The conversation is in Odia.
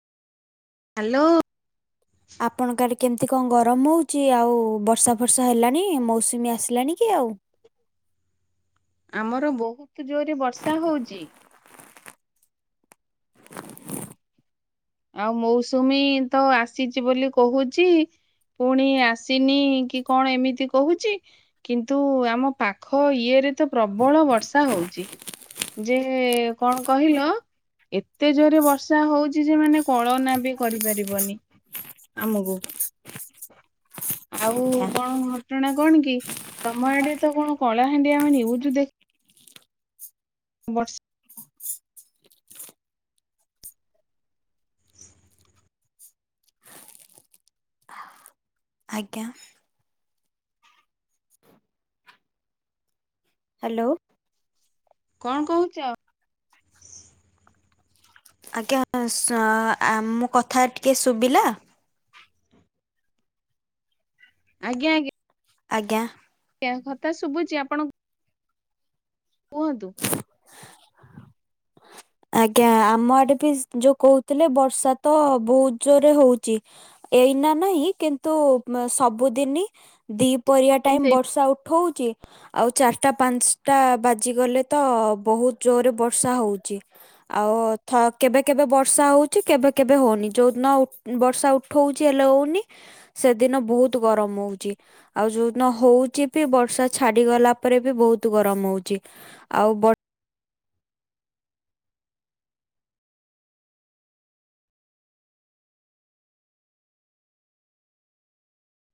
ହ୍ୟାଲୋ। ଆପଣଙ୍କ ଆଡେ କେମିତି କଣ ଗରମ ହଉଛି ଆଉ ବର୍ଷା ଫର୍ଷା ହେଲାଣି ମୌସୁମୀ ଆସିଲାଣି କି ଆଉ? ଆମର ବହୁତ ଜୋରରେ ବର୍ଷା ହଉଛି ଆଉ ମୌସୁମୀ ତ ଆସିଛି ବୋଲି କହୁଛି ପୁଣି ଆସିନି କି କଣ ଏମିତି କହୁଛି କିନ୍ତୁ ଆମ ପାଖ ଇଏରେ ତ ପ୍ରବଳ ବର୍ଷା ହଉଛି। ଯେ କଣ କହିଲ ଏତେ ଜୋରେ ବର୍ଷା ହଉଛି ଯେ ମାନେ କଳନା ବି କରିପାରିବନି ଆମକୁ। ଆଉ ଆଜ୍ଞା କଣ ଘଟଣା କଣ କି ତମ ଆଡେ ତ କଣ କଳାହାଣ୍ଡି ଆମେ ନ୍ୟୁଜ ଦେଖ ବର୍ଷ ଆଜ୍ଞା। ହ୍ୟାଲୋ। କଣ କହୁଛ? ଆଜ୍ଞା ସ ମୋ କଥା ଟିକେ ଶୁଭିଲା? ଆଜ୍ଞ ଆଜ୍ଞା। ଆଜ୍ଞା। କଥା ଶୁଭୁଛି ଆପଣ କୁହନ୍ତୁ? ଆଜ୍ଞା ଆମ ଆଡେ ବି ଯୋଉ କହୁଥିଲେ ବର୍ଷା ତ ବହୁତ ଜୋରରେ ହଉଛି। ଏଇନା ନାହିଁ କିନ୍ତୁ ସବୁଦିନି ଦିପରିଆ ଟାଇମ ସେଇ ବର୍ଷା ଉଠ ଉଠଉଛି ଆଉ ଚାରଟା ପାଞ୍ଚଟା ବାଜିଗଲେ ତ ବହୁତ ଜୋରରେ ବର୍ଷା ହଉଛି। ଆଉ ଥ କେବେ କେବେ ବର୍ଷା ହଉଛି କେବେ କେବେ ହଉନି ଯୋଉଦିନ ଉ ବର୍ଷା ଉ ଉଠଉଛି ହେଲେ ହଉନି ସେଦିନ ବହୁତ ଗରମ ହଉଛି। ଆଉ ଯଉଦିନ ହଉଛି ବି ବର୍ଷା ଛାଡିଗଲା ପରେ ବି ବହୁତ ଗରମ ହଉଛି। ଆଉ ବ